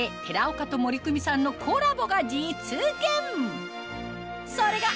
岡と森クミさんのコラボが実現